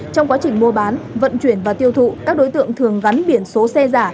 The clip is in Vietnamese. trong quá trình mua bán vận chuyển và tiêu thụ các đối tượng thường gắn biển số xe giả